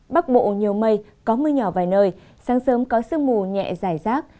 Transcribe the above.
bắc bộ nhiều mây có mưa nhỏ vài nơi sáng sớm có sương mù nhẹ dài rác